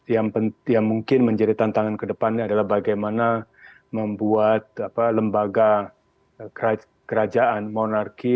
yang mungkin menjadi tantangan ke depannya adalah bagaimana membuat lembaga kerajaan monarki